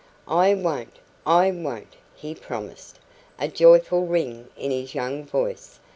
"I won't I won't!" he promised, a joyful ring in his young voice.